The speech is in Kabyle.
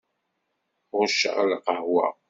Ɣucceɣ lqahwa.